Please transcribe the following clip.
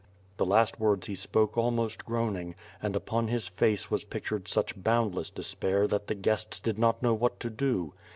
The last words he spoke almost groaning, and upon hi? face was pictured such boundless despair that the guests did not know what to do.